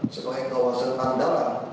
selain kawasan andalan